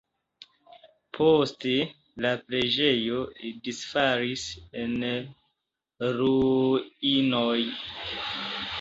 Poste la preĝejo disfalis en ruinoj.